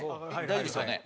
大丈夫ですよね？